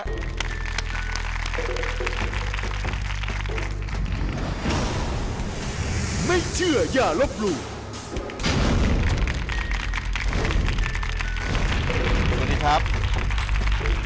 สวัสดีครับ